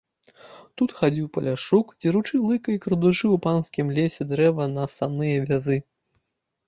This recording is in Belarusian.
Тут хадзіў паляшук, дзеручы лыка і крадучы ў панскім лесе дрэва на санныя вязы.